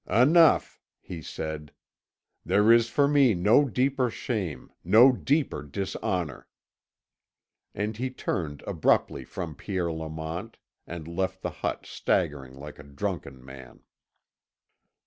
"Enough," he said; "there is for me no deeper shame, no deeper dishonour." And he turned abruptly from Pierre Lamont, and left the hut staggering like a drunken man.